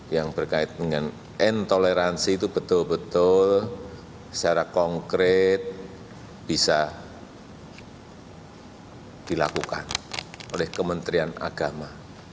yang berkait dengan intoleransi itu betul betul secara konkret bisa dilakukan oleh kementerian agama